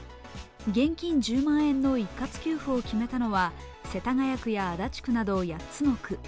現金１０万円の一括給付を決めたのは世田谷区や足立区など８つの区。